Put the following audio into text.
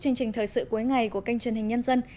chương trình thời sự cuối ngày của kênh truyền hình nhân dân